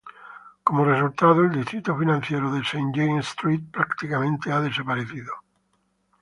Como resultado, el distrito financiero de Saint James Street prácticamente ha desaparecido.